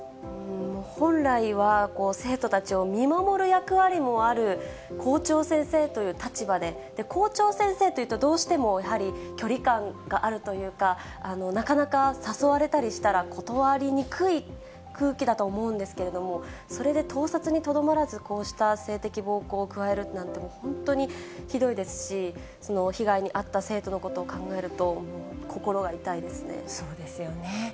もう本来は、生徒たちを見守る役割もある校長先生という立場で、校長先生というと、どうしてもやはり距離感があるというか、なかなか誘われたりしたら断りにくい空気だと思うんですけれども、それで盗撮にとどまらず、こうした性的暴行を加えるなんて、もう本当にひどいですし、被害に遭った生徒のことを考えると、そうですよね。